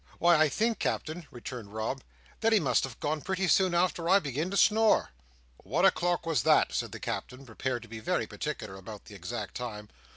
"Why, I think, Captain," returned Rob, "that he must have gone pretty soon after I began to snore." "What o'clock was that?" said the Captain, prepared to be very particular about the exact time.